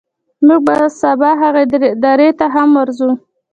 موږ به سبا هغې درې ته هم ورځو.